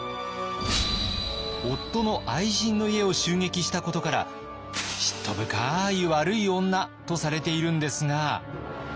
夫の愛人の家を襲撃したことから「嫉妬深い悪い女」とされているんですが。